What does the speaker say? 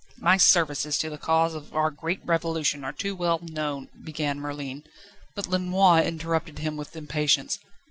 "My services to the cause of our great Revolution are too well known " began Merlin. But Lenoir interrupted him with impatience.